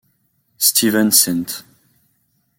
Steven St.